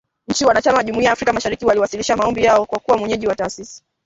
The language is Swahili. Nchi wanachama wa Jumuiya ya Afrika Mashariki waliwasilisha maombi yao ya kuwa mwenyeji wa taasisi .